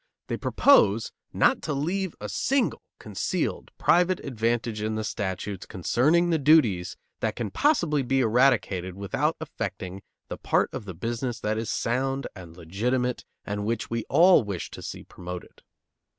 They propose not to leave a single concealed private advantage in the statutes concerning the duties that can possibly be eradicated without affecting the part of the business that is sound and legitimate and which we all wish to see promoted.